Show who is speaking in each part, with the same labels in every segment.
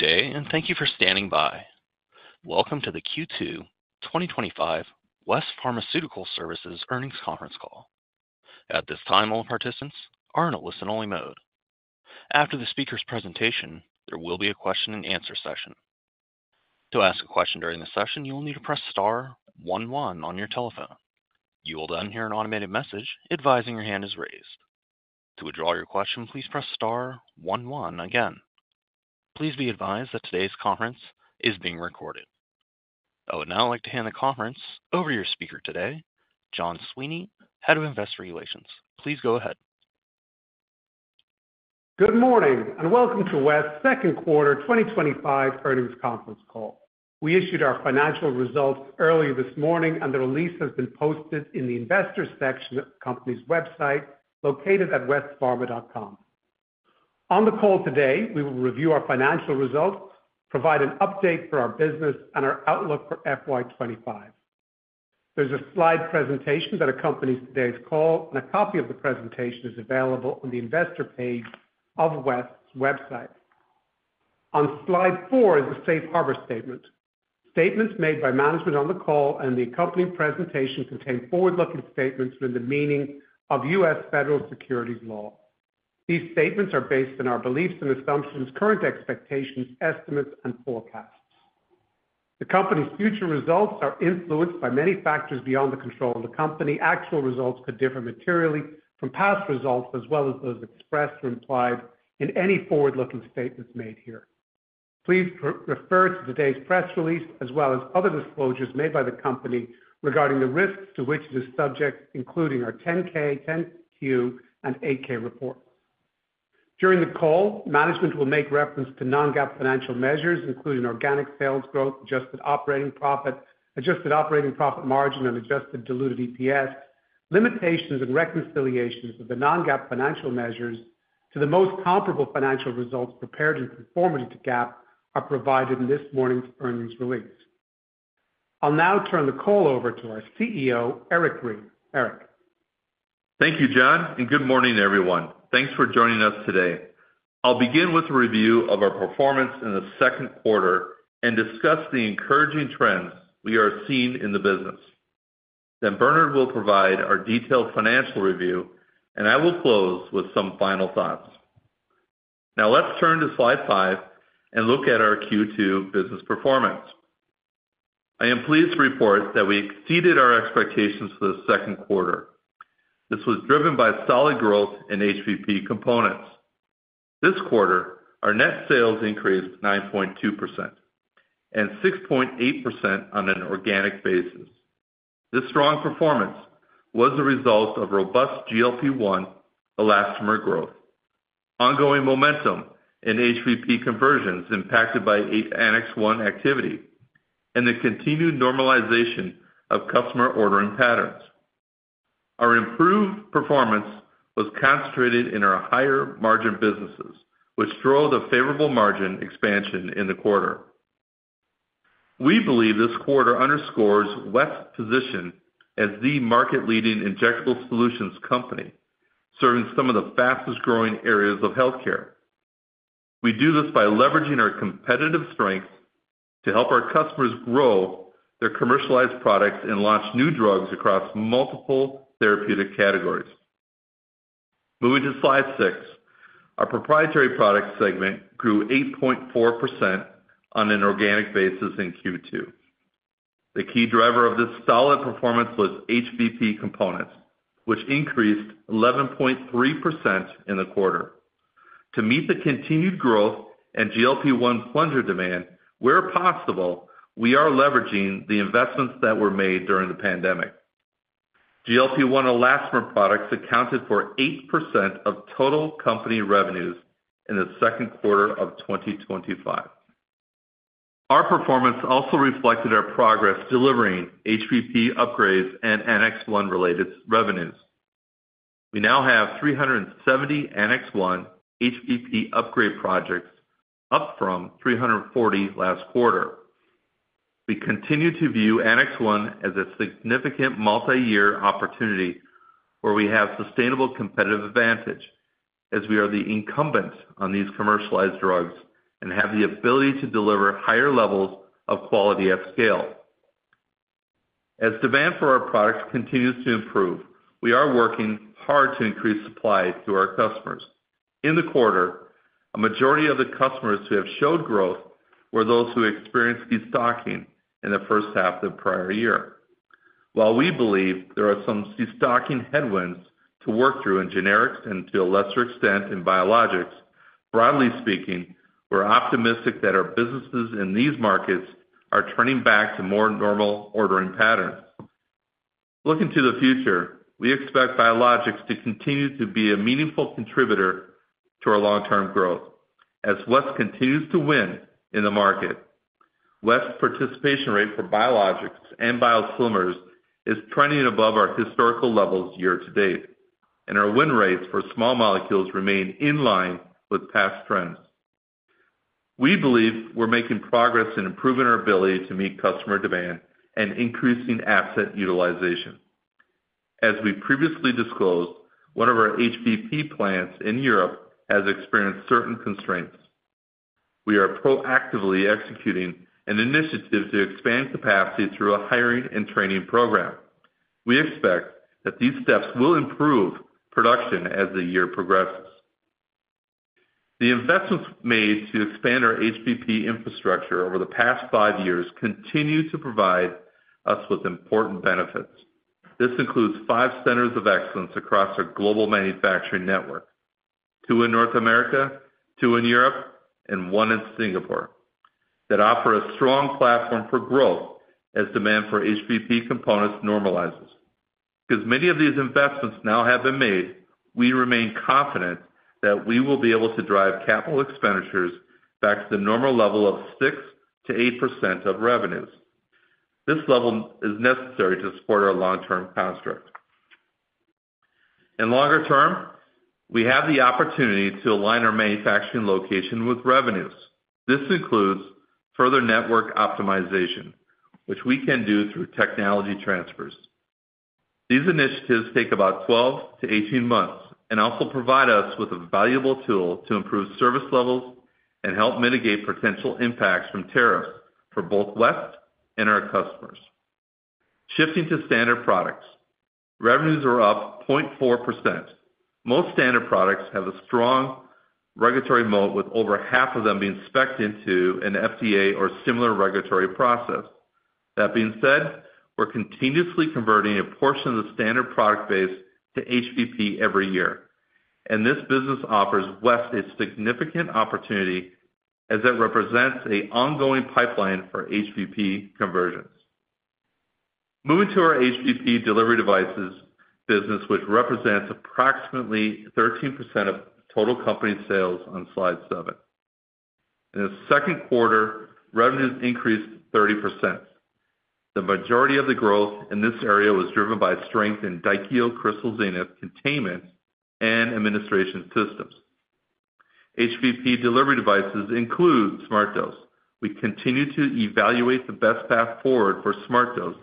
Speaker 1: Good day, and thank you for standing by. Welcome to the Q2 2025 West Pharmaceutical Services Earnings Conference Call. At this time, all participants are in a listen-only mode. After the speaker's presentation, there will be a question-and-answer session. To ask a question during the session, you'll need to press star one-one on your telephone. You will then hear an automated message advising your hand is raised. To withdraw your question, please press star one-one again. Please be advised that today's conference is being recorded. I would now like to hand the conference over to your speaker today, John Sweeney, Head of Investor Relations. Please go ahead.
Speaker 2: Good morning, and welcome to West's Second-Quarter 2025 Earnings Conference Call. We issued our financial results early this morning, and the release has been posted in the investor section of the company's website located at westpharma.com. On the call today, we will review our financial results, provide an update for our business, and our outlook for FY25. There is a slide presentation that accompanies today's call, and a copy of the presentation is available on the investor page of West's website. On slide four is the safe harbor statement. Statements made by management on the call and the accompanying presentation contain forward-looking statements within the meaning of U.S. federal securities law. These statements are based on our beliefs and assumptions, current expectations, estimates, and forecasts. The company's future results are influenced by many factors beyond the control of the company. Actual results could differ materially from past results, as well as those expressed or implied in any forward-looking statements made here. Please refer to today's press release, as well as other disclosures made by the company regarding the risks to which it is subject, including our 10-K, 10-Q, and 8-K reports. During the call, management will make reference to non-GAAP financial measures, including organic sales growth, adjusted operating profit, adjusted operating profit margin, and adjusted diluted EPS. Limitations and reconciliations of the non-GAAP financial measures to the most comparable financial results prepared in conformity to GAAP are provided in this morning's earnings release. I'll now turn the call over to our CEO, Eric Green. Eric.
Speaker 3: Thank you, John, and good morning, everyone. Thanks for joining us today. I'll begin with a review of our performance in the second quarter and discuss the encouraging trends we are seeing in the business. Then Bernard will provide our detailed financial review, and I will close with some final thoughts. Now let's turn to slide five and look at our Q2 business performance. I am pleased to report that we exceeded our expectations for the second quarter. This was driven by solid growth in HPP components. This quarter, our net sales increased 9.2% and 6.8% on an organic basis. This strong performance was the result of robust GLP-1 elastomer growth, ongoing momentum in HPP conversions impacted by Annex 1 activity, and the continued normalization of customer ordering patterns. Our improved performance was concentrated in our higher margin businesses, which drove the favorable margin expansion in the quarter. We believe this quarter underscores West's position as the market-leading injectable solutions company, serving some of the fastest-growing areas of healthcare. We do this by leveraging our competitive strengths to help our customers grow their commercialized products and launch new drugs across multiple therapeutic categories. Moving to slide six, our proprietary product segment grew 8.4% on an organic basis in Q2. The key driver of this solid performance was HPP components, which increased 11.3% in the quarter. To meet the continued growth in GLP-1 plunger demand, where possible, we are leveraging the investments that were made during the pandemic. GLP-1 elastomer products accounted for 8% of total company revenues in the second quarter of 2025. Our performance also reflected our progress delivering HPP upgrades and Annex 1-related revenues. We now have 370 Annex 1 HPP upgrade projects, up from 340 last quarter. We continue to view Annex 1 as a significant multi-year opportunity where we have sustainable competitive advantage as we are the incumbent on these commercialized drugs and have the ability to deliver higher levels of quality at scale. As demand for our products continues to improve, we are working hard to increase supply to our customers. In the quarter, a majority of the customers who have showed growth were those who experienced destocking in the first half of the prior year. While we believe there are some destocking headwinds to work through in generics and to a lesser extent in biologics, broadly speaking, we're optimistic that our businesses in these markets are turning back to more normal ordering patterns. Looking to the future, we expect biologics to continue to be a meaningful contributor to our long-term growth as West continues to win in the market. West's participation rate for biologics and biosimilars is trending above our historical levels year to date, and our win rates for small molecules remain in line with past trends. We believe we're making progress in improving our ability to meet customer demand and increasing asset utilization. As we previously disclosed, one of our HPP plants in Europe has experienced certain constraints. We are proactively executing an initiative to expand capacity through a hiring and training program. We expect that these steps will improve production as the year progresses. The investments made to expand our HPP infrastructure over the past five years continue to provide us with important benefits. This includes five centers of excellence across our global manufacturing network: two in North America, two in Europe, and one in Singapore that offer a strong platform for growth as demand for HPP components normalizes. Because many of these investments now have been made, we remain confident that we will be able to drive capital expenditures back to the normal level of 6-8% of revenues. This level is necessary to support our long-term construct. In longer term, we have the opportunity to align our manufacturing location with revenues. This includes further network optimization, which we can do through technology transfers. These initiatives take about 12-18 months and also provide us with a valuable tool to improve service levels and help mitigate potential impacts from tariffs for both West and our customers. Shifting to standard products, revenues are up 0.4%. Most standard products have a strong regulatory moat, with over half of them being specced into an FDA or similar regulatory process. That being said, we're continuously converting a portion of the standard product base to HPP every year, and this business offers West a significant opportunity as it represents an ongoing pipeline for HPP conversions. Moving to our HPP delivery devices business, which represents approximately 13% of total company sales on slide seven. In the second quarter, revenues increased 30%. The majority of the growth in this area was driven by strength in Daikyo Crystal Zenith containment and administration systems. HPP delivery devices include SmartDose. We continue to evaluate the best path forward for SmartDose,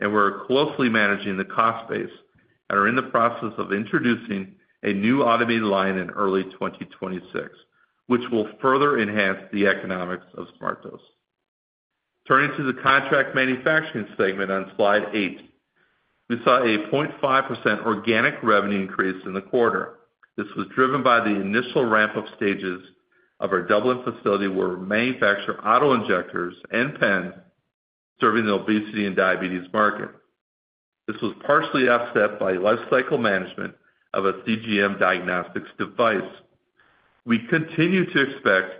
Speaker 3: and we're closely managing the cost base and are in the process of introducing a new automated line in early 2026, which will further enhance the economics of SmartDose. Turning to the contract manufacturing segment on slide eight, we saw a 0.5% organic revenue increase in the quarter. This was driven by the initial ramp-up stages of our Dublin facility, where we manufacture auto injectors and pens serving the obesity and diabetes market. This was partially offset by life cycle management of a CGM diagnostics device. We continue to expect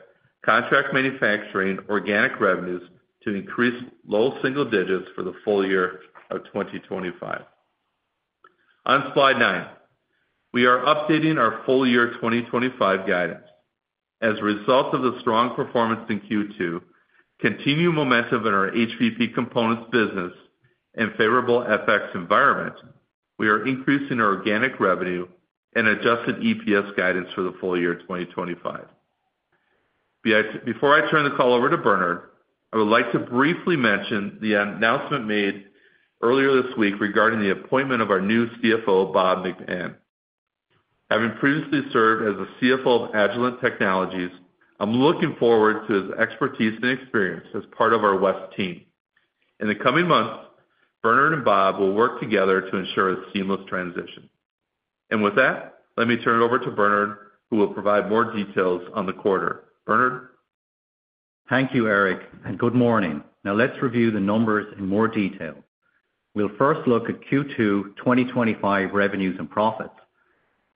Speaker 3: contract manufacturing organic revenues to increase low single digits for the full year of 2025. On slide nine, we are updating our full year 2025 guidance. As a result of the strong performance in Q2, continued momentum in our HPP components business, and favorable FX environment, we are increasing our organic revenue and adjusted EPS guidance for the full year 2025. Before I turn the call over to Bernard, I would like to briefly mention the announcement made earlier this week regarding the appointment of our new CFO, Bob McMahon. Having previously served as the CFO of Agilent Technologies, I'm looking forward to his expertise and experience as part of our West team. In the coming months, Bernard and Bob will work together to ensure a seamless transition. Let me turn it over to Bernard, who will provide more details on the quarter. Bernard.
Speaker 4: Thank you, Eric, and good morning. Now let's review the numbers in more detail. We'll first look at Q2 2025 revenues and profits,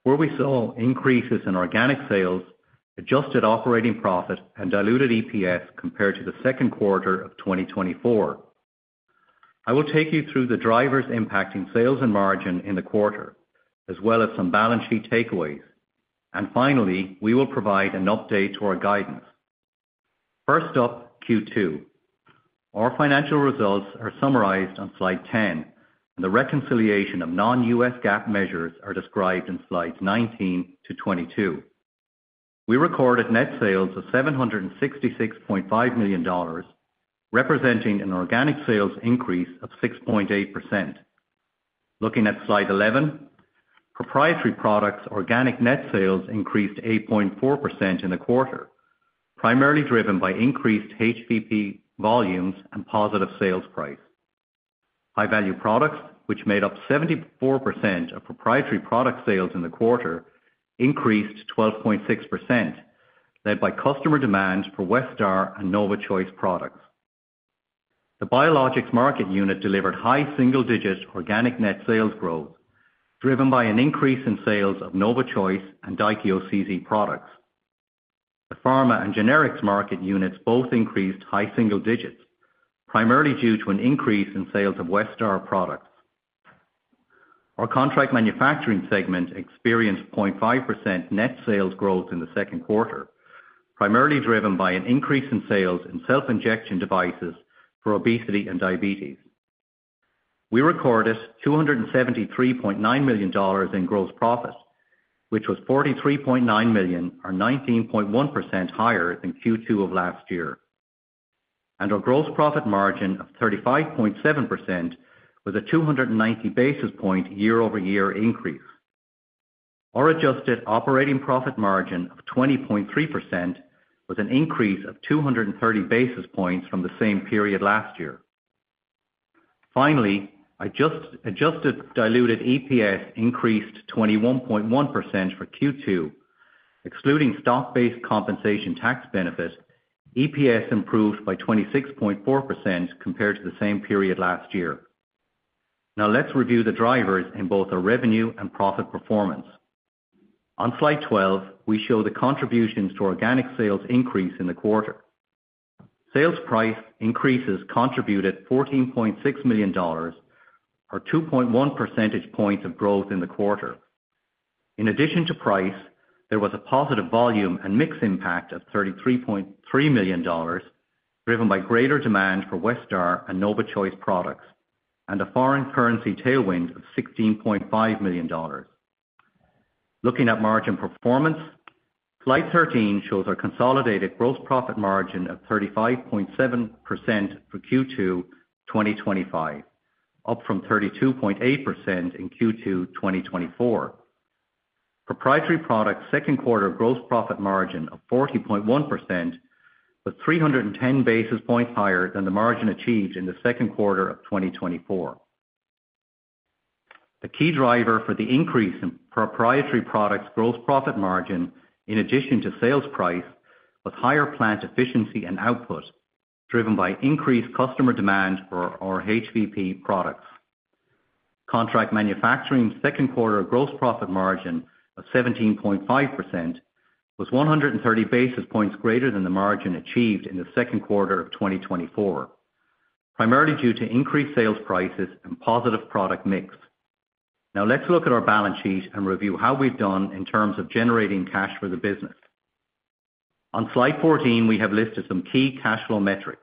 Speaker 4: where we saw increases in organic sales, adjusted operating profit, and diluted EPS compared to the second quarter of 2024. I will take you through the drivers impacting sales and margin in the quarter, as well as some balance sheet takeaways. Finally, we will provide an update to our guidance. First up, Q2. Our financial results are summarized on slide 10, and the reconciliation of non-U.S. GAAP measures are described in slides 19-22. We recorded net sales of $766.5 million, representing an organic sales increase of 6.8%. Looking at slide 11, proprietary products' organic net sales increased 8.4% in the quarter, primarily driven by increased HPP volumes and positive sales price. High-value products, which made up 74% of proprietary product sales in the quarter, increased 12.6%, led by customer demand for Westar and NovaChoice products. The biologics market unit delivered high single-digit organic net sales growth, driven by an increase in sales of NovaChoice and Daikyo Crystal Zenith products. The pharma and generics market units both increased high single digits, primarily due to an increase in sales of Westar products. Our contract manufacturing segment experienced 0.5% net sales growth in the second quarter, primarily driven by an increase in sales in self-injection devices for obesity and diabetes. We recorded $273.9 million in gross profit, which was $43.9 million, or 19.1% higher than Q2 of last year. Our gross profit margin of 35.7% was a 290 basis point year-over-year increase. Our adjusted operating profit margin of 20.3% was an increase of 230 basis points from the same period last year. Finally, adjusted diluted EPS increased 21.1% for Q2. Excluding stock-based compensation tax benefit, EPS improved by 26.4% compared to the same period last year. Now let's review the drivers in both our revenue and profit performance. On slide 12, we show the contributions to organic sales increase in the quarter. Sales price increases contributed $14.6 million, or 2.1 percentage points of growth in the quarter. In addition to price, there was a positive volume and mix impact of $33.3 million, driven by greater demand for Westar and NovaChoice products and a foreign currency tailwind of $16.5 million. Looking at margin performance, slide 13 shows our consolidated gross profit margin of 35.7% for Q2 2025, up from 32.8% in Q2 2024. Proprietary products' second quarter gross profit margin of 40.1% was 310 basis points higher than the margin achieved in the second quarter of 2024. The key driver for the increase in proprietary products' gross profit margin, in addition to sales price, was higher plant efficiency and output, driven by increased customer demand for our HPP products. Contract manufacturing's second quarter gross profit margin of 17.5% was 130 basis points greater than the margin achieved in the second quarter of 2024, primarily due to increased sales prices and positive product mix. Now let's look at our balance sheet and review how we've done in terms of generating cash for the business. On slide 14, we have listed some key cash flow metrics.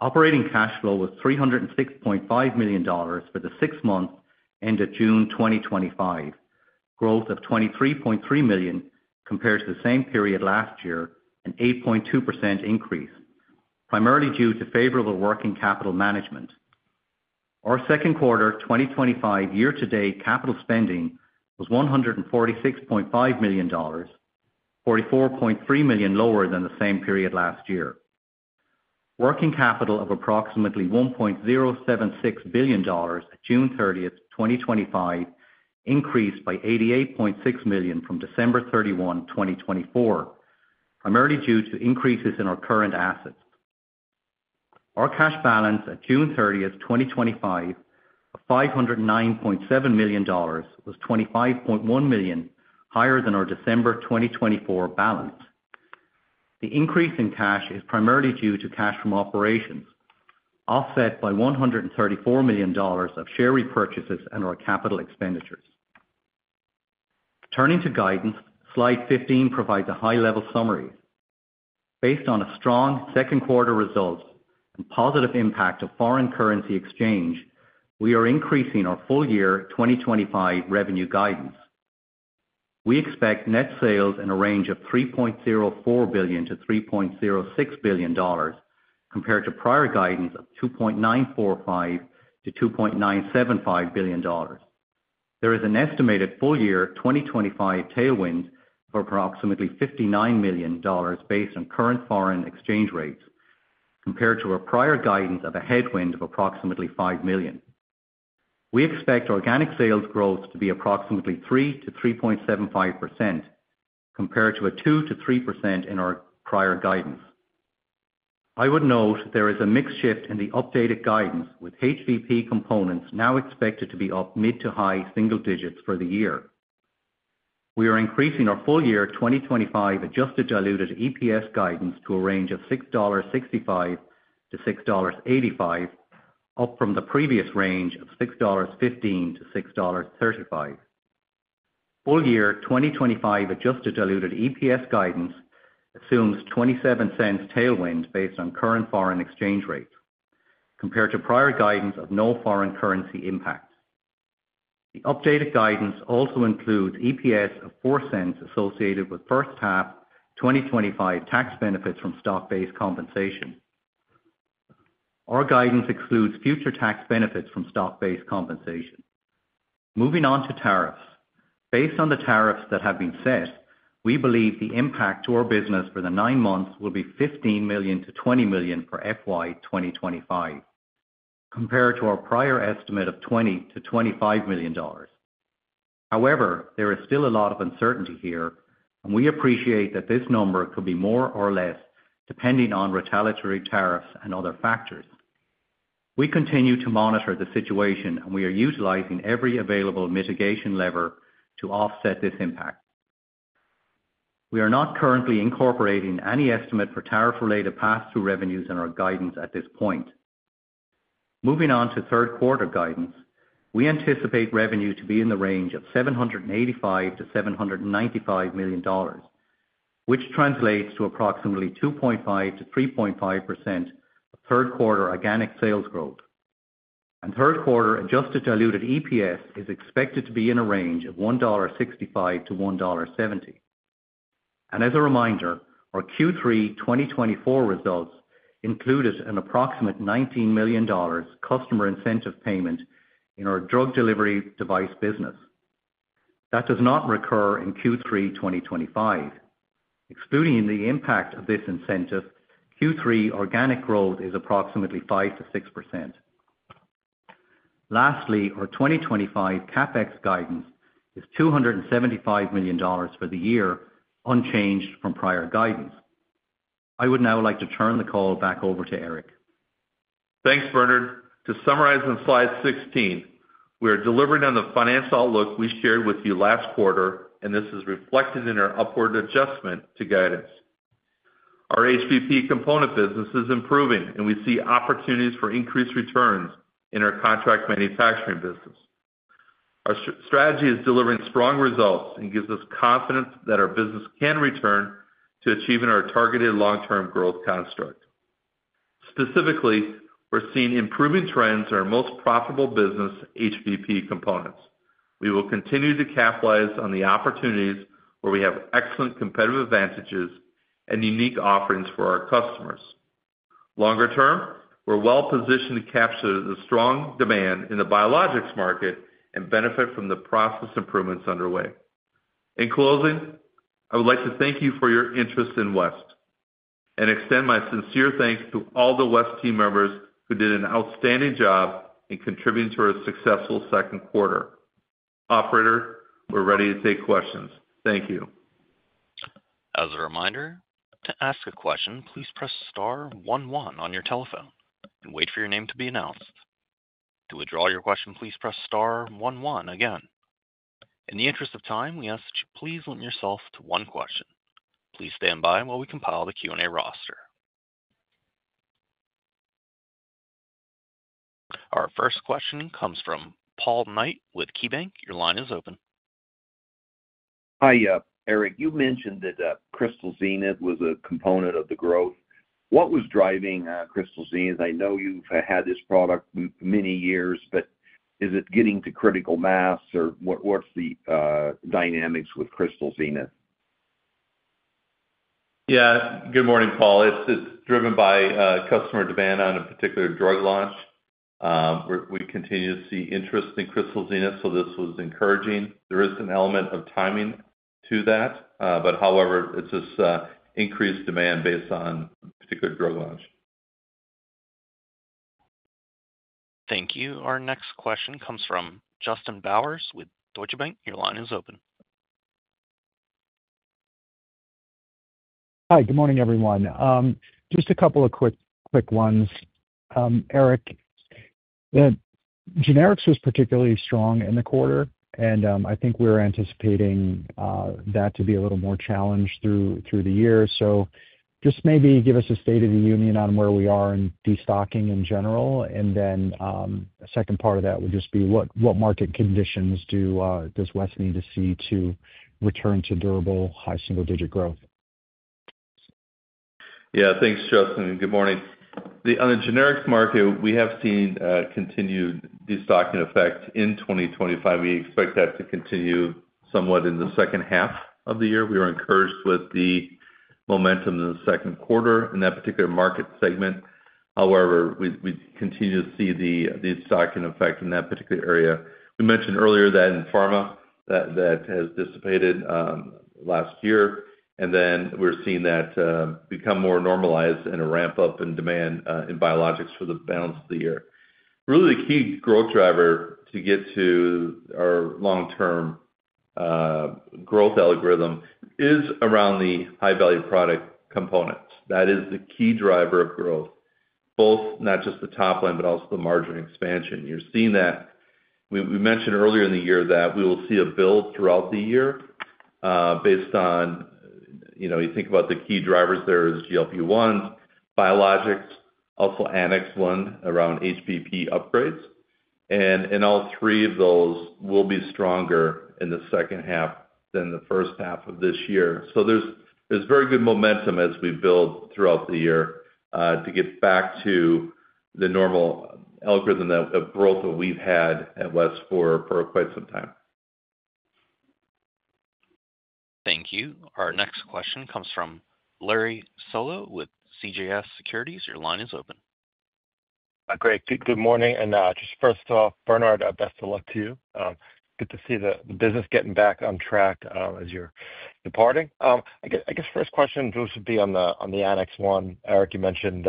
Speaker 4: Operating cash flow was $306.5 million for the six months ended June 2025. Growth of $23.3 million compared to the same period last year, an 8.2% increase, primarily due to favorable working capital management. Our second quarter 2025 year-to-date capital spending was $146.5 million, $44.3 million lower than the same period last year. Working capital of approximately $1.076 billion at June 30, 2025, increased by $88.6 million from December 31, 2024, primarily due to increases in our current assets. Our cash balance at June 30, 2025, of $509.7 million, was $25.1 million higher than our December 2024 balance. The increase in cash is primarily due to cash from operations, offset by $134 million of share repurchases and our capital expenditures. Turning to guidance, slide 15 provides a high-level summary. Based on a strong second quarter result and positive impact of foreign currency exchange, we are increasing our full year 2025 revenue guidance. We expect net sales in a range of $3.04 billion-$3.06 billion, compared to prior guidance of $2.945 billion-$2.975 billion. There is an estimated full year 2025 tailwind of approximately $59 million based on current foreign exchange rates, compared to our prior guidance of a headwind of approximately $5 million. We expect organic sales growth to be approximately 3%-3.75%, compared to 2%-3% in our prior guidance. I would note there is a mixed shift in the updated guidance, with HPP components now expected to be up mid to high single digits for the year. We are increasing our full year 2025 adjusted diluted EPS guidance to a range of $6.65-$6.85, up from the previous range of $6.15-$6.35. Full year 2025 adjusted diluted EPS guidance assumes a $0.27 tailwind based on current foreign exchange rates, compared to prior guidance of no foreign currency impact. The updated guidance also includes EPS of $0.04 associated with first half 2025 tax benefits from stock-based compensation. Our guidance excludes future tax benefits from stock-based compensation. Moving on to tariffs. Based on the tariffs that have been set, we believe the impact to our business for the nine months will be $15 million-$20 million for FY 2025, compared to our prior estimate of $20 million-$25 million. However, there is still a lot of uncertainty here, and we appreciate that this number could be more or less depending on retaliatory tariffs and other factors. We continue to monitor the situation, and we are utilizing every available mitigation lever to offset this impact. We are not currently incorporating any estimate for tariff-related pass-through revenues in our guidance at this point. Moving on to third quarter guidance, we anticipate revenue to be in the range of $785 million-$795 million, which translates to approximately 2.5%-3.5% of third quarter organic sales growth. Third quarter adjusted diluted EPS is expected to be in a range of $1.65-$1.70. As a reminder, our Q3 2024 results included an approximate $19 million customer incentive payment in our drug delivery device business. That does not recur in Q3 2025. Excluding the impact of this incentive, Q3 organic growth is approximately 5-6%. Lastly, our 2025 CapEx guidance is $275 million for the year, unchanged from prior guidance. I would now like to turn the call back over to Eric.
Speaker 3: Thanks, Bernard. To summarize on slide 16, we are delivering on the finance outlook we shared with you last quarter, and this is reflected in our upward adjustment to guidance. Our HPP component business is improving, and we see opportunities for increased returns in our contract manufacturing business. Our strategy is delivering strong results and gives us confidence that our business can return to achieving our targeted long-term growth construct. Specifically, we're seeing improving trends in our most profitable business, HPP components. We will continue to capitalize on the opportunities where we have excellent competitive advantages and unique offerings for our customers. Longer term, we're well positioned to capture the strong demand in the biologics market and benefit from the process improvements underway. In closing, I would like to thank you for your interest in West. I extend my sincere thanks to all the West team members who did an outstanding job in contributing to our successful second quarter. Operator, we're ready to take questions. Thank you.
Speaker 1: As a reminder, to ask a question, please press star one one on your telephone and wait for your name to be announced. To withdraw your question, please press star one one again. In the interest of time, we ask that you please limit yourself to one question. Please stand by while we compile the Q&A roster. Our first question comes from Paul Knight with KeyBanc. Your line is open.
Speaker 5: Hi, Eric. You mentioned that Crystal Zenith was a component of the growth. What was driving Crystal Zenith? I know you've had this product many years, but is it getting to critical mass, or what's the dynamics with Crystal Zenith?
Speaker 3: Yeah. Good morning, Paul. It's driven by customer demand on a particular drug launch. We continue to see interest in Crystal Zenith, so this was encouraging. There is an element of timing to that, however, it's this increased demand based on a particular drug launch.
Speaker 1: Thank you. Our next question comes from Justin Bowers with Deutsche Bank. Your line is open.
Speaker 6: Hi, good morning, everyone. Just a couple of quick ones. Eric. Generics was particularly strong in the quarter, and I think we're anticipating that to be a little more challenged through the year. Just maybe give us a state of the union on where we are in destocking in general, and then a second part of that would just be what market conditions does West need to see to return to durable high single-digit growth?
Speaker 3: Yeah. Thanks, Justin. Good morning. On the generics market, we have seen continued destocking effect in 2025. We expect that to continue somewhat in the second half of the year. We were encouraged with the momentum in the second quarter in that particular market segment. However, we continue to see the destocking effect in that particular area. We mentioned earlier that in pharma that has dissipated last year, and then we're seeing that become more normalized and a ramp-up in demand in biologics for the balance of the year. Really, the key growth driver to get to our long-term growth algorithm is around the high-value product components. That is the key driver of growth, both not just the top line, but also the margin expansion. You're seeing that. We mentioned earlier in the year that we will see a build throughout the year. Based on, you think about the key drivers, there is GLP-1, biologics, also Annex 1 around HPP upgrades. In all three of those, we'll be stronger in the second half than the first half of this year. There is very good momentum as we build throughout the year to get back to the normal algorithm of growth that we've had at West for quite some time.
Speaker 1: Thank you. Our next question comes from Larry Solow with CJS Securities. Your line is open.
Speaker 7: Great. Good morning. First off, Bernard, best of luck to you. Good to see the business getting back on track as you're departing. I guess first question just would be on the Annex 1. Eric, you mentioned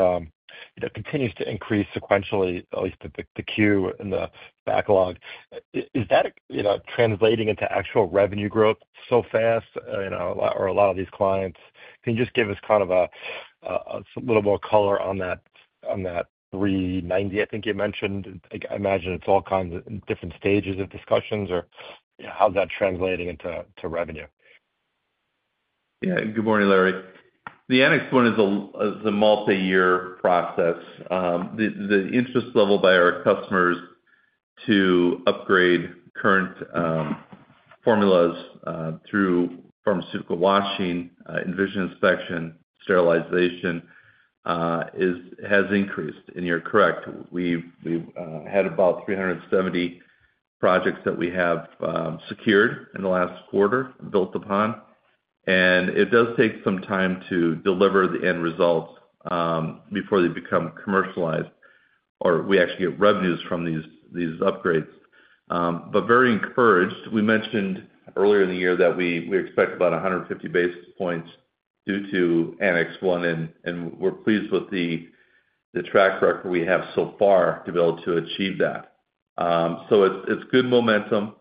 Speaker 7: it continues to increase sequentially, at least the queue in the backlog. Is that translating into actual revenue growth so fast, or a lot of these clients? Can you just give us kind of a little more color on that? 390, I think you mentioned? I imagine it's all kinds of different stages of discussions, or how's that translating into revenue?
Speaker 3: Yeah. Good morning, Larry. The Annex 1 is a multi-year process. The interest level by our customers to upgrade current formulas through pharmaceutical washing, envision inspection, sterilization has increased. You're correct. We've had about 370 projects that we have secured in the last quarter and built upon. It does take some time to deliver the end results before they become commercialized, or we actually get revenues from these upgrades. Very encouraged. We mentioned earlier in the year that we expect about 150 basis points due to Annex 1, and we're pleased with the track record we have so far to be able to achieve that. It's good momentum.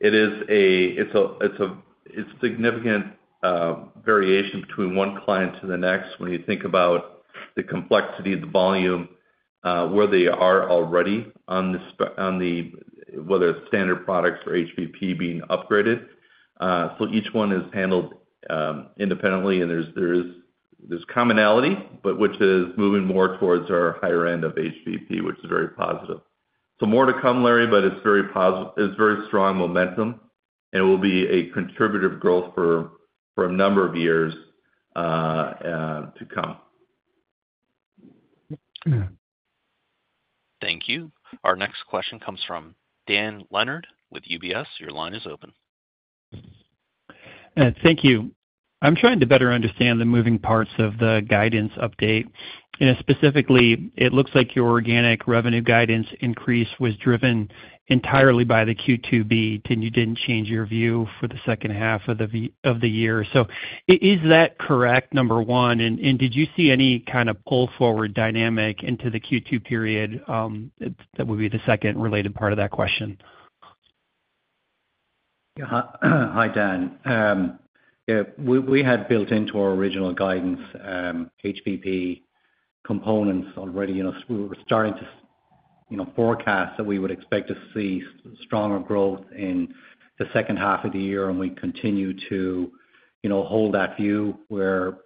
Speaker 3: It's a significant variation between one client to the next when you think about the complexity, the volume, where they are already on, whether it's standard products or HPP being upgraded. Each one is handled independently, and there's commonality, which is moving more towards our higher end of HPP, which is very positive. More to come, Larry, but it's very strong momentum, and it will be a contributive growth for a number of years to come.
Speaker 1: Thank you. Our next question comes from Dan Leonard with UBS. Your line is open.
Speaker 8: Thank you. I'm trying to better understand the moving parts of the guidance update. Specifically, it looks like your organic revenue guidance increase was driven entirely by the Q2B, and you didn't change your view for the second half of the year. Is that correct, number one? Did you see any kind of pull-forward dynamic into the Q2 period? That would be the second related part of that question.
Speaker 4: Hi, Dan. Yeah. We had built into our original guidance HPP components already. We were starting to forecast that we would expect to see stronger growth in the second half of the year, and we continue to hold that view where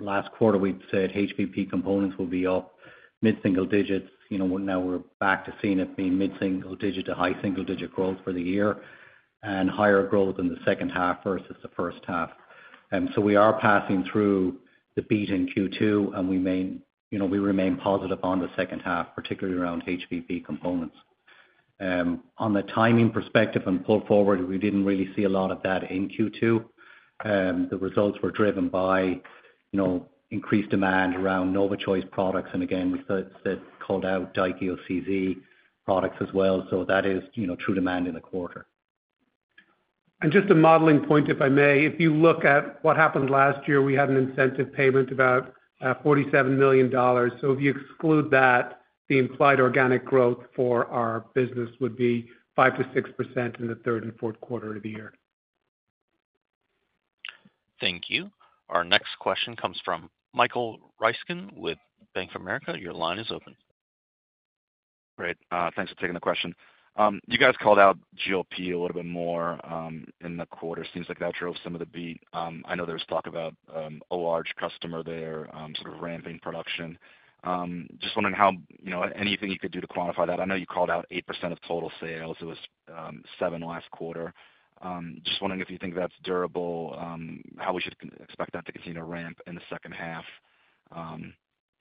Speaker 4: last quarter we said HPP components will be up mid-single digits. Now we're back to seeing it be mid-single digit to high single digit growth for the year and higher growth in the second half versus the first half. We are passing through the beat in Q2, and we remain positive on the second half, particularly around HPP components. On the timing perspective and pull-forward, we did not really see a lot of that in Q2. The results were driven by increased demand around NovaChoice products, and again, we called out Daikyo CZ products as well. That is true demand in the quarter.
Speaker 2: Just a modeling point, if I may, if you look at what happened last year, we had an incentive payment about $47 million. If you exclude that, the implied organic growth for our business would be 5-6% in the third and fourth quarter of the year.
Speaker 1: Thank you. Our next question comes from Michael Ryskin with Bank of America. Your line is open.
Speaker 9: Great. Thanks for taking the question. You guys called out GLP a little bit more in the quarter. Seems like that drove some of the beat. I know there was talk about a large customer there sort of ramping production. Just wondering how anything you could do to quantify that. I know you called out 8% of total sales. It was 7% last quarter. Just wondering if you think that's durable, how we should expect that to continue to ramp in the second half.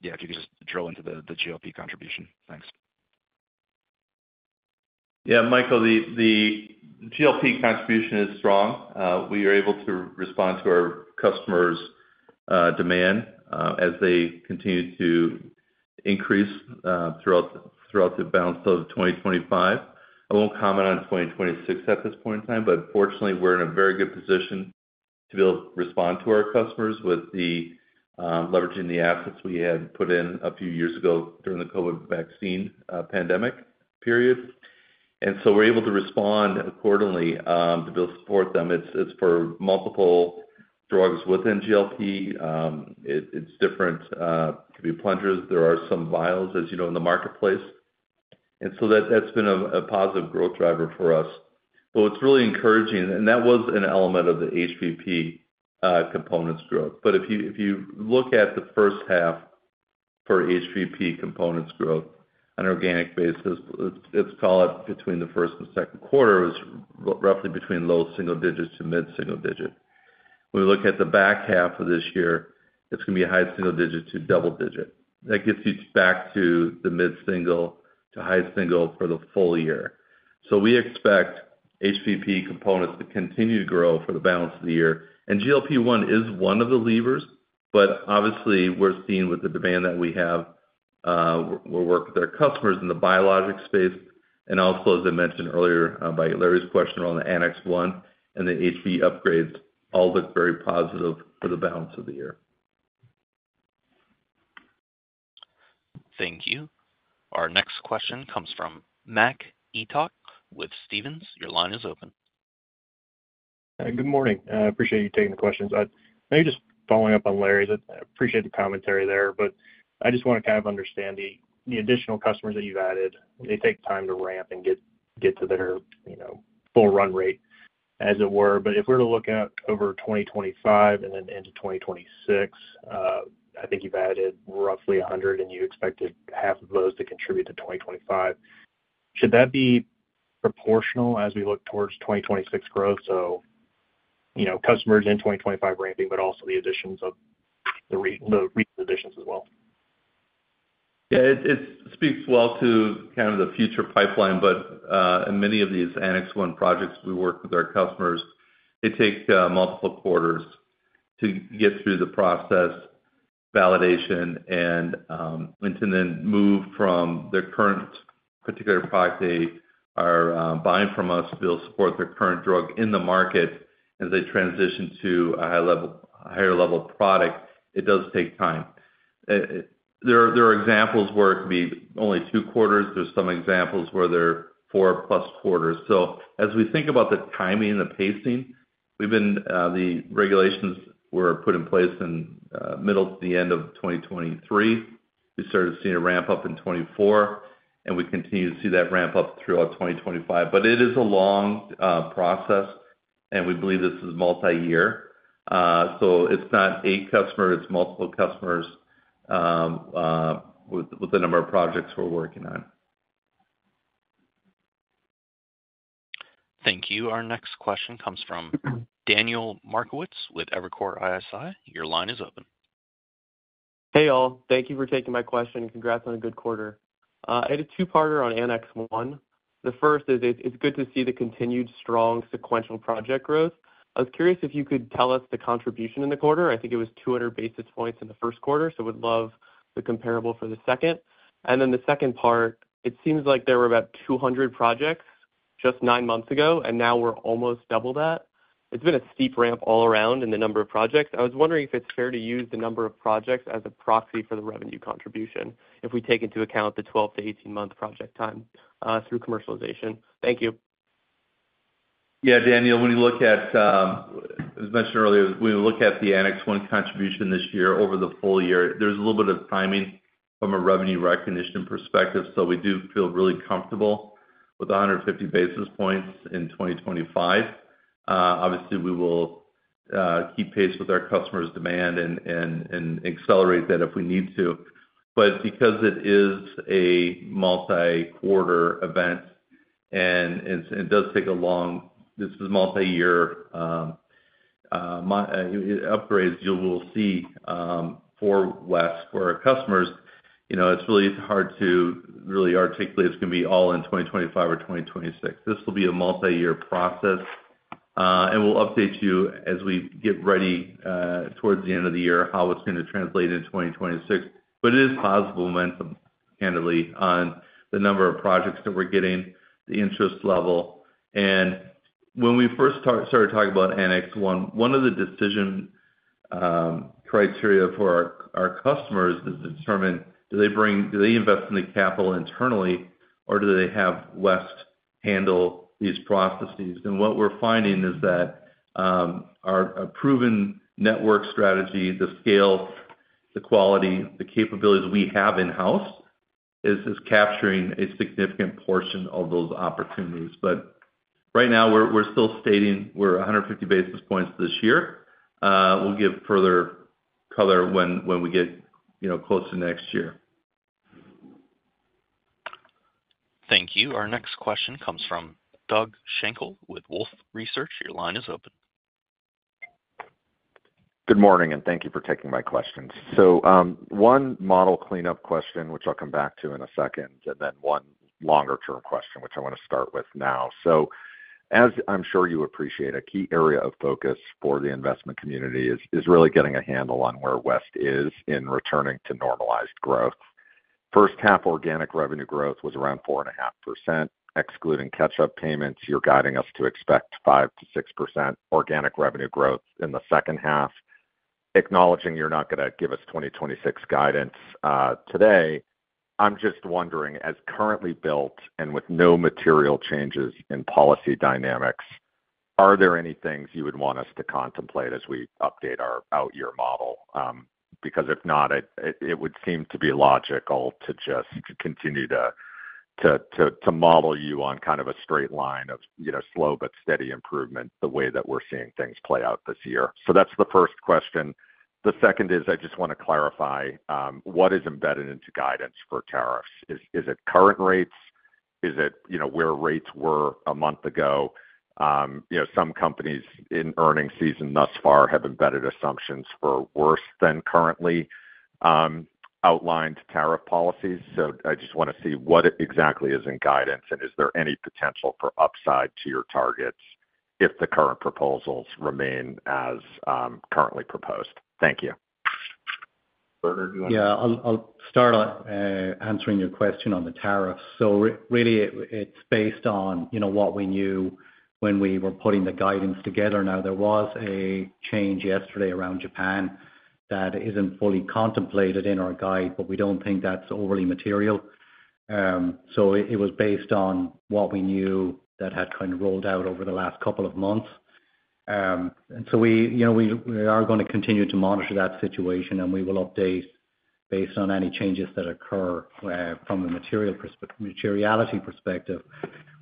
Speaker 9: Yeah, if you could just drill into the GLP contribution. Thanks.
Speaker 3: Yeah. Michael, the GLP contribution is strong. We are able to respond to our customers' demand as they continue to increase throughout the balance of 2025. I won't comment on 2026 at this point in time, but fortunately, we're in a very good position to be able to respond to our customers with the leveraging the assets we had put in a few years ago during the COVID vaccine pandemic period. We are able to respond accordingly to be able to support them. It's for multiple drugs within GLP. It's different. It could be plungers. There are some vials, as you know, in the marketplace. That has been a positive growth driver for us. What is really encouraging, and that was an element of the HPP components growth. If you look at the first half for HPP components growth on an organic basis, let's call it between the first and second quarter was roughly between low single digit to mid-single digit. When we look at the back half of this year, it's going to be high single digit to double digit. That gets you back to the mid-single to high single for the full year. We expect HPP components to continue to grow for the balance of the year. GLP-1 is one of the levers, but obviously, we're seeing with the demand that we have. We're working with our customers in the biologic space. Also, as I mentioned earlier by Larry's question around the Annex 1 and the HP upgrades, all look very positive for the balance of the year.
Speaker 1: Thank you. Our next question comes from Mac Etoch with Stephens. Your line is open.
Speaker 10: Good morning. I appreciate you taking the questions. Maybe just following up on Larry's. I appreciate the commentary there, but I just want to kind of understand the additional customers that you've added. They take time to ramp and get to their full run rate, as it were. If we're to look at over 2025 and then into 2026, I think you've added roughly 100, and you expected half of those to contribute to 2025. Should that be proportional as we look towards 2026 growth? Customers in 2025 ramping, but also the additions of the recent additions as well?
Speaker 3: Yeah. It speaks well to kind of the future pipeline, but in many of these Annex 1 projects we work with our customers, it takes multiple quarters to get through the process. Validation, and to then move from their current particular product they are buying from us to be able to support their current drug in the market as they transition to a higher level product, it does take time. There are examples where it can be only two quarters. There are some examples where they are four plus quarters. As we think about the timing and the pacing, the regulations were put in place in the middle to the end of 2023. We started seeing a ramp-up in 2024, and we continue to see that ramp-up throughout 2025. It is a long process. We believe this is multi-year. It is not eight customers. It is multiple customers, with the number of projects we are working on.
Speaker 1: Thank you. Our next question comes from Daniel Markowitz with Evercore ISI. Your line is open.
Speaker 11: Hey, all. Thank you for taking my question. Congrats on a good quarter. I had a two-parter on Annex 1. The first is it's good to see the continued strong sequential project growth. I was curious if you could tell us the contribution in the quarter. I think it was 200 basis points in the first quarter, so we'd love the comparable for the second. The second part, it seems like there were about 200 projects just nine months ago, and now we're almost double that. It's been a steep ramp all around in the number of projects. I was wondering if it's fair to use the number of projects as a proxy for the revenue contribution if we take into account the 12-18 month project time through commercialization. Thank you.
Speaker 3: Yeah, Daniel, when you look at, as mentioned earlier, when you look at the Annex 1 contribution this year over the full year, there's a little bit of timing from a revenue recognition perspective. We do feel really comfortable with 150 basis points in 2025. Obviously, we will keep pace with our customers' demand and accelerate that if we need to. Because it is a multi-quarter event and it does take a long—this is a multi-year upgrade, you will see, for West, for our customers, it's really hard to really articulate it's going to be all in 2025 or 2026. This will be a multi-year process. We'll update you as we get ready towards the end of the year how it's going to translate in 2026. It is positive momentum, candidly, on the number of projects that we're getting, the interest level. When we first started talking about Annex 1, one of the decision criteria for our customers is to determine do they invest in the capital internally, or do they have West handle these processes? What we're finding is that our proven network strategy, the scale, the quality, the capabilities we have in-house, is capturing a significant portion of those opportunities. Right now, we're still stating we're 150 basis points this year. We'll give further color when we get close to next year.
Speaker 1: Thank you. Our next question comes from Doug Schenkel with Wolfe Research. Your line is open.
Speaker 12: Good morning, and thank you for taking my questions. One model cleanup question, which I'll come back to in a second, and then one longer-term question, which I want to start with now. As I'm sure you appreciate, a key area of focus for the investment community is really getting a handle on where West is in returning to normalized growth. First half organic revenue growth was around 4.5%. Excluding catch-up payments, you're guiding us to expect 5-6% organic revenue growth in the second half. Acknowledging you're not going to give us 2026 guidance today, I'm just wondering, as currently built and with no material changes in policy dynamics, are there any things you would want us to contemplate as we update our out-year model? Because if not, it would seem to be logical to just continue to model you on kind of a straight line of slow but steady improvement the way that we're seeing things play out this year. That's the first question. The second is I just want to clarify, what is embedded into guidance for tariffs? Is it current rates? Is it where rates were a month ago? Some companies in earning season thus far have embedded assumptions for worse than currently outlined tariff policies. I just want to see what exactly is in guidance, and is there any potential for upside to your targets if the current proposals remain as currently proposed? Thank you.
Speaker 3: Yeah. I'll start on answering your question on the tariffs. Really, it's based on what we knew when we were putting the guidance together. There was a change yesterday around Japan that isn't fully contemplated in our guide, but we don't think that's overly material. It was based on what we knew that had kind of rolled out over the last couple of months. We are going to continue to monitor that situation, and we will update based on any changes that occur from a materiality perspective.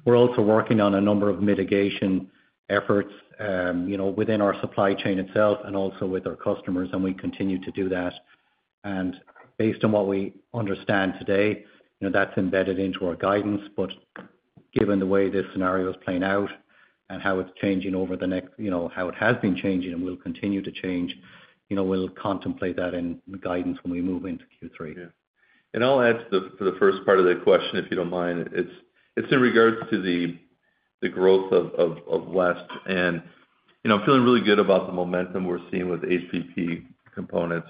Speaker 3: We're also working on a number of mitigation efforts within our supply chain itself and also with our customers, and we continue to do that. Based on what we understand today, that's embedded into our guidance. Given the way this scenario is playing out and how it's changing over the next—how it has been changing and will continue to change—we'll contemplate that in guidance when we move into Q3. Yeah. I'll add to the first part of the question, if you don't mind. It's in regards to the growth of West. I'm feeling really good about the momentum we're seeing with HPP components.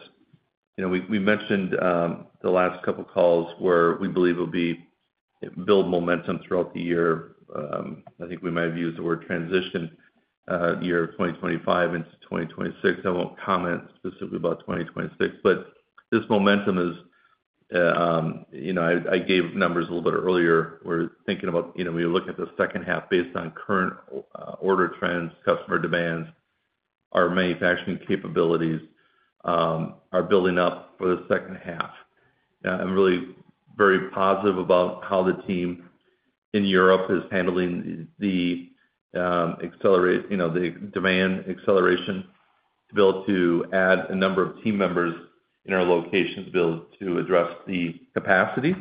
Speaker 3: We mentioned the last couple of calls where we believe it'll build momentum throughout the year. I think we might have used the word transition. Year 2025 into 2026. I won't comment specifically about 2026, but this momentum is—I gave numbers a little bit earlier. We're thinking about when you look at the second half based on current order trends, customer demands, our manufacturing capabilities are building up for the second half. I'm really very positive about how the team in Europe is handling the demand acceleration to be able to add a number of team members in our locations to be able to address the capacity,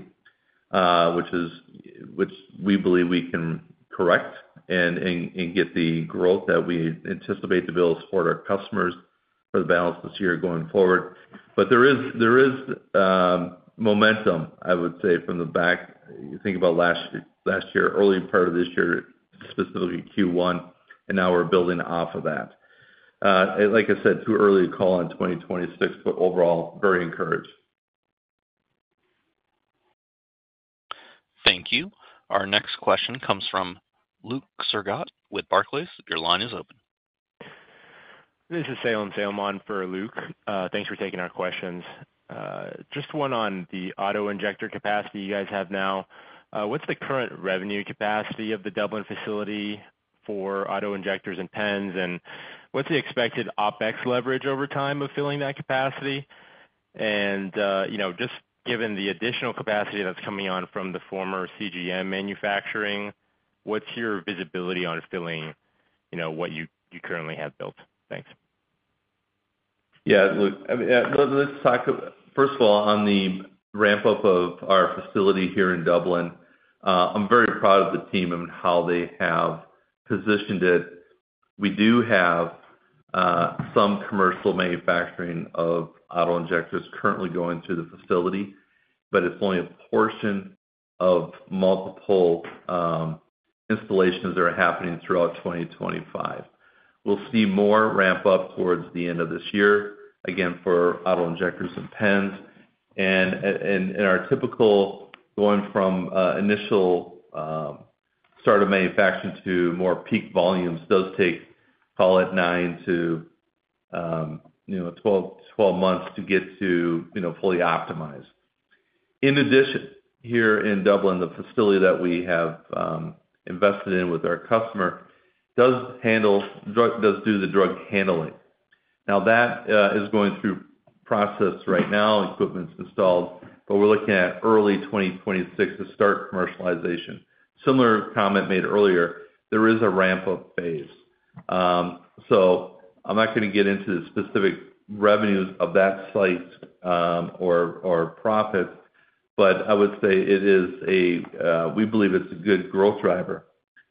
Speaker 3: which we believe we can correct and get the growth that we anticipate to be able to support our customers for the balance of this year going forward. There is momentum, I would say, from the back. You think about last year, early part of this year, specifically Q1, and now we're building off of that. Like I said, too early to call on 2026, but overall, very encouraged.
Speaker 1: Thank you. Our next question comes from Luke Sergott with Barclays. Your line is open.
Speaker 13: This is Salem Salem for Luke. Thanks for taking our questions. Just one on the auto injector capacity you guys have now. What's the current revenue capacity of the Dublin facility for auto injectors and pens, and what's the expected OpEx leverage over time of filling that capacity? Just given the additional capacity that's coming on from the former CGM manufacturing, what's your visibility on filling what you currently have built? Thanks.
Speaker 3: Yeah, Luke. Let's talk, first of all, on the ramp-up of our facility here in Dublin. I'm very proud of the team and how they have positioned it. We do have some commercial manufacturing of auto injectors currently going through the facility, but it's only a portion of multiple installations that are happening throughout 2025. We'll see more ramp up towards the end of this year, again, for auto injectors and pens. In our typical going from initial start of manufacturing to more peak volumes does take, call it 9-12 months to get to fully optimized. In addition, here in Dublin, the facility that we have invested in with our customer does do the drug handling. Now, that is going through process right now, equipment's installed, but we're looking at early 2026 to start commercialization. Similar comment made earlier, there is a ramp-up phase. I'm not going to get into the specific revenues of that site or profits, but I would say it is—we believe it's a good growth driver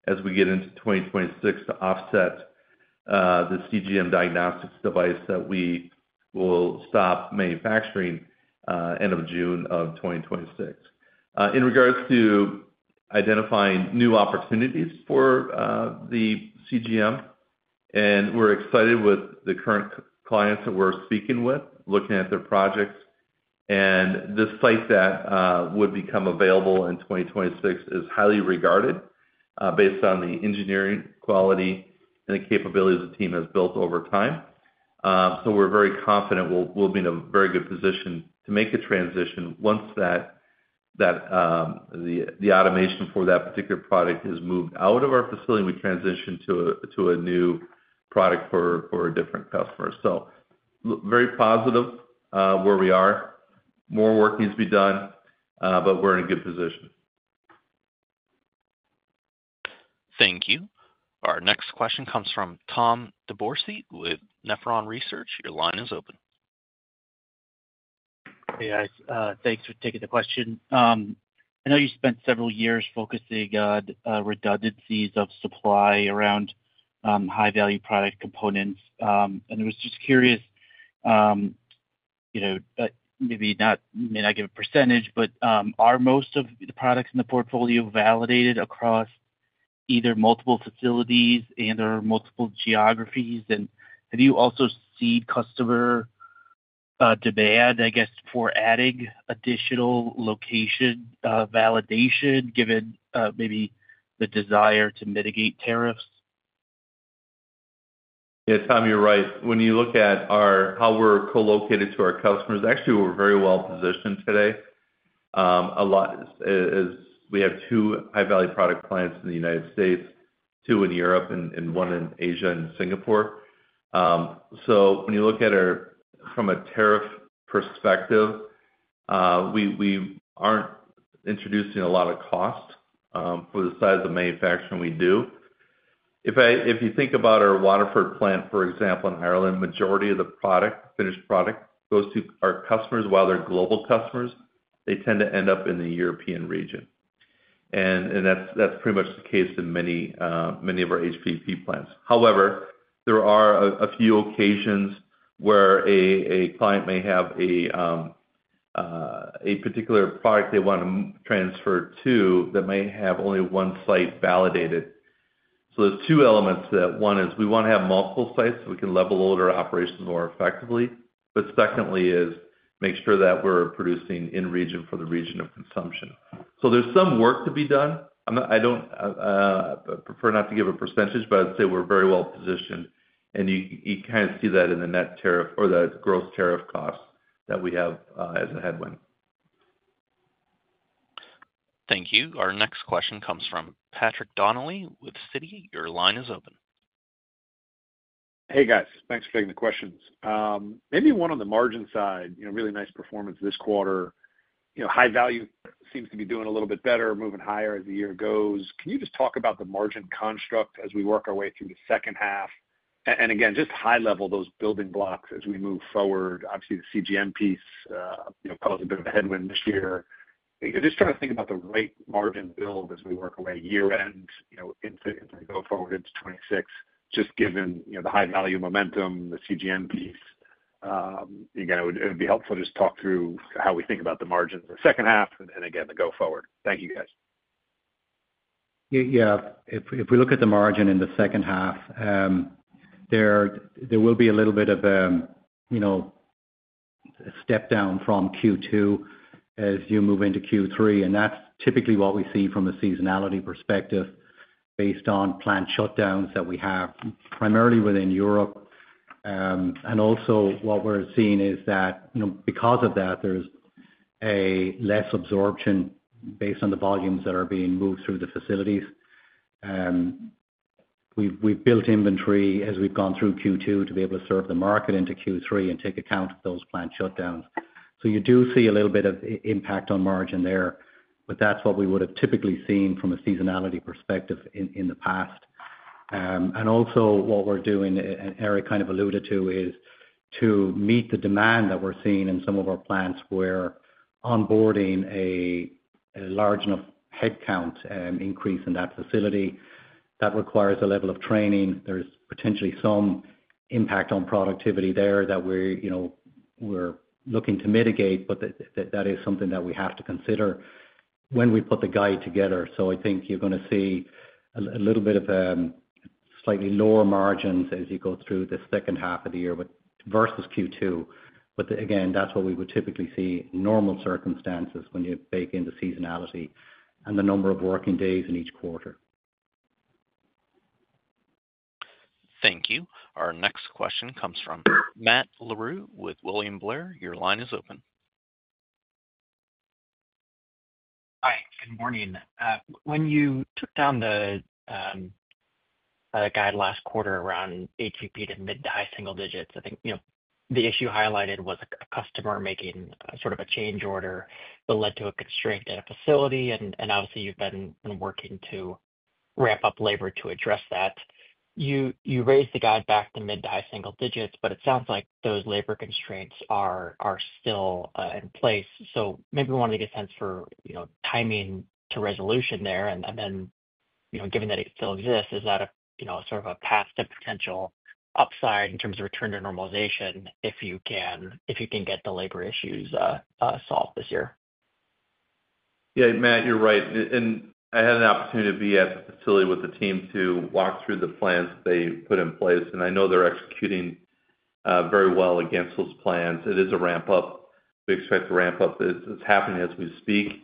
Speaker 3: as we get into 2026 to offset the CGM diagnostics device that we will stop manufacturing end of June of 2026. In regards to identifying new opportunities for the CGM, and we're excited with the current clients that we're speaking with, looking at their projects. This site that would become available in 2026 is highly regarded based on the engineering quality and the capabilities the team has built over time. We're very confident we'll be in a very good position to make a transition once the automation for that particular product is moved out of our facility and we transition to a new product for a different customer. Very positive where we are. More work needs to be done, but we're in a good position.
Speaker 1: Thank you. Our next question comes from Tom DeBourcy with Nephron Research. Your line is open.
Speaker 14: Hey, guys. Thanks for taking the question. I know you spent several years focusing on redundancies of supply around high-value product components. I was just curious. Maybe not give a percentage, but are most of the products in the portfolio validated across either multiple facilities and/or multiple geographies? Have you also seen customer demand, I guess, for adding additional location validation given maybe the desire to mitigate tariffs?
Speaker 3: Yeah, Tom, you're right. When you look at how we're co-located to our customers, actually, we're very well positioned today. We have two high-value product clients in the United States, two in Europe, and one in Asia in Singapore. When you look at our—from a tariff perspective, we aren't introducing a lot of cost for the size of manufacturing we do. If you think about our Waterford plant, for example, in Ireland, the majority of the finished product goes to our customers. While they're global customers, they tend to end up in the European region. That's pretty much the case in many of our HPP plants. However, there are a few occasions where a client may have a particular product they want to transfer that may have only one site validated. There are two elements to that. One is we want to have multiple sites so we can level out our operations more effectively. Secondly, we want to make sure that we're producing in region for the region of consumption. There's some work to be done. I prefer not to give a percentage, but I'd say we're very well positioned. You kind of see that in the net tariff or the gross tariff costs that we have as a headwind.
Speaker 1: Thank you. Our next question comes from Patrick Donnelly with Citi. Your line is open.
Speaker 15: Hey, guys. Thanks for taking the questions. Maybe one on the margin side, really nice performance this quarter. High-value seems to be doing a little bit better, moving higher as the year goes. Can you just talk about the margin construct as we work our way through the second half? Again, just high-level, those building blocks as we move forward. Obviously, the CGM piece caused a bit of a headwind this year. Just trying to think about the right margin build as we work our way year-end into. Go forward into 2026, just given the high-value momentum, the CGM piece. Again, it would be helpful to just talk through how we think about the margins in the second half and again, the go forward. Thank you, guys.
Speaker 2: Yeah. If we look at the margin in the second half, there will be a little bit of a step down from Q2 as you move into Q3. That's typically what we see from a seasonality perspective based on plant shutdowns that we have primarily within Europe. Also, what we're seeing is that because of that, there's a less absorption based on the volumes that are being moved through the facilities. We've built inventory as we've gone through Q2 to be able to serve the market into Q3 and take account of those plant shutdowns. You do see a little bit of impact on margin there, but that's what we would have typically seen from a seasonality perspective in the past. Also, what we're doing, and Eric kind of alluded to, is to meet the demand that we're seeing in some of our plants where onboarding a large enough headcount increase in that facility, that requires a level of training. There's potentially some impact on productivity there that we're looking to mitigate, but that is something that we have to consider when we put the guide together. I think you're going to see a little bit of slightly lower margins as you go through the second half of the year versus Q2. Again, that's what we would typically see in normal circumstances when you bake in the seasonality and the number of working days in each quarter.
Speaker 1: Thank you. Our next question comes from Matt Larew with William Blair. Your line is open.
Speaker 16: Hi. Good morning. When you took down the guide last quarter around HPP to mid-to-high single digits, I think the issue highlighted was a customer making sort of a change order that led to a constraint at a facility. Obviously, you've been working to ramp up labor to address that. You raised the guide back to mid-to-high single digits, but it sounds like those labor constraints are still in place. Maybe we want to get a sense for timing to resolution there. Then, given that it still exists, is that sort of a path to potential upside in terms of return to normalization if you can get the labor issues solved this year?
Speaker 3: Yeah, Matt, you're right. I had an opportunity to be at the facility with the team to walk through the plans they put in place. I know they're executing very well against those plans. It is a ramp-up. We expect the ramp-up that's happening as we speak.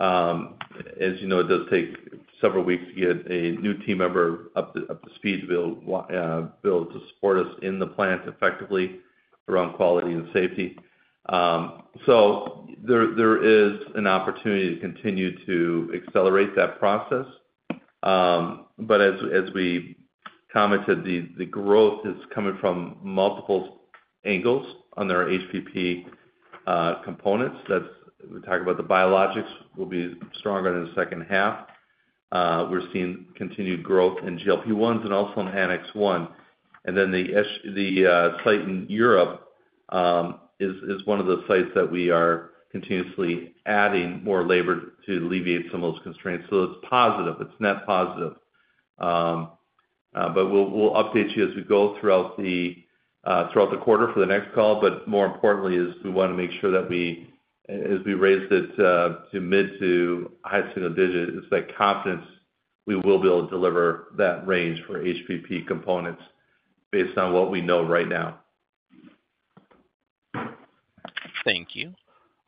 Speaker 3: As you know, it does take several weeks to get a new team member up to speed to be able to support us in the plants effectively around quality and safety. There is an opportunity to continue to accelerate that process. As we commented, the growth is coming from multiple angles on their HPP components. We talked about the biologics will be stronger in the second half. We're seeing continued growth in GLP-1s and also in Annex 1. The site in Europe is one of the sites that we are continuously adding more labor to alleviate some of those constraints. It's positive. It's net positive. We'll update you as we go throughout the quarter for the next call. More importantly, we want to make sure that as we raise it to mid to high single digits, it's that confidence we will be able to deliver that range for HPP components based on what we know right now.
Speaker 1: Thank you.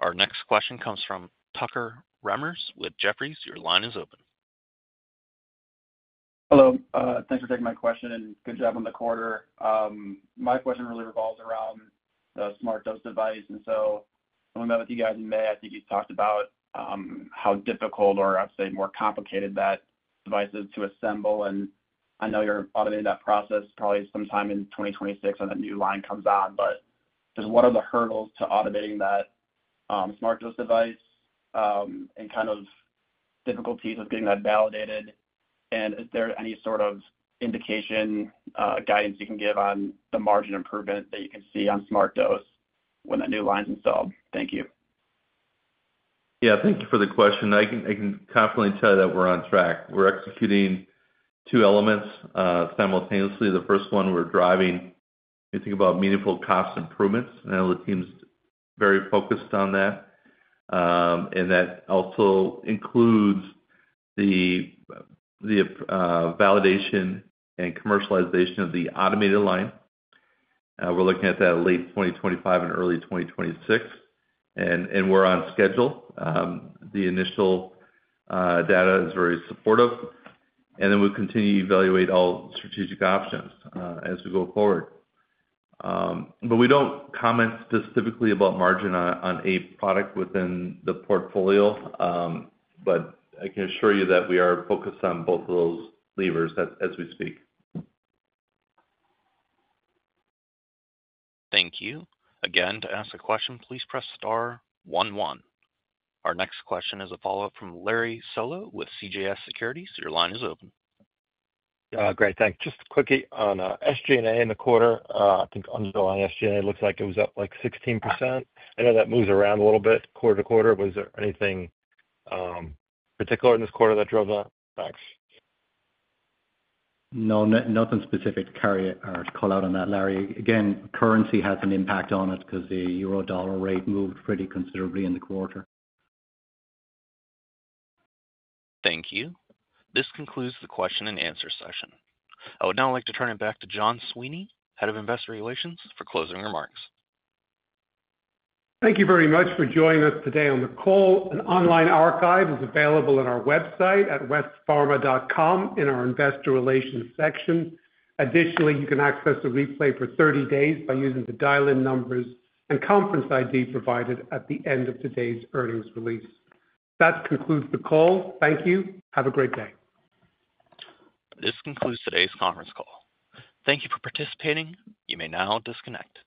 Speaker 1: Our next question comes from Tucker Remmers with Jefferies. Your line is open.
Speaker 17: Hello. Thanks for taking my question and good job on the quarter. My question really revolves around the SmartDose device. When we met with you guys in May, I think you talked about how difficult or, I'd say, more complicated that device is to assemble. I know you're automating that process probably sometime in 2026 when that new line comes on. What are the hurdles to automating that SmartDose device and kind of difficulties with getting that validated? Is there any sort of indication, guidance you can give on the margin improvement that you can see on SmartDose when that new line's installed? Thank you.
Speaker 3: Yeah. Thank you for the question. I can confidently tell you that we're on track. We're executing two elements simultaneously. The first one, we're driving. You think about meaningful cost improvements. I know the team's very focused on that. That also includes the validation and commercialization of the automated line. We're looking at that late 2025 and early 2026. We're on schedule. The initial data is very supportive. We will continue to evaluate all strategic options as we go forward. We do not comment specifically about margin on a product within the portfolio. I can assure you that we are focused on both of those levers as we speak.
Speaker 1: Thank you. Again, to ask a question, please press star one one. Our next question is a follow-up from Larry Solow with CJS Securities. Your line is open.
Speaker 18: Great. Thanks. Just quickly on SG&A in the quarter. I think underlying SG&A looks like it was up like 16%. I know that moves around a little bit quarter to quarter. Was there anything particular in this quarter that drove that? Thanks.
Speaker 4: No, nothing specific to call out on that, Larry. Again, currency has an impact on it because the euro/dollar rate moved pretty considerably in the quarter.
Speaker 1: Thank you. This concludes the question and answer session. I would now like to turn it back to John Sweeney, Head of Investor Relations, for closing remarks.
Speaker 2: Thank you very much for joining us today on the call. An online archive is available on our website at westpharma.com in our investor relations section. Additionally, you can access the replay for 30 days by using the dial-in numbers and conference ID provided at the end of today's earnings release. That concludes the call. Thank you. Have a great day.
Speaker 1: This concludes today's conference call. Thank you for participating. You may now disconnect.